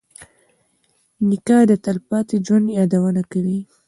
نیکه د تلپاتې ژوند یادونه کوي.